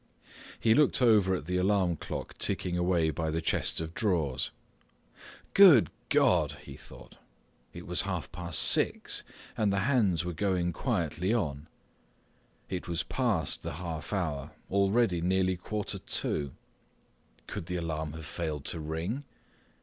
He looked over at the alarm clock ticking away by the chest of drawers. "Good God!" he thought. It was half past six, and the hands were going quietly on. It was past the half hour, already nearly quarter to. Could the alarm have failed to ring?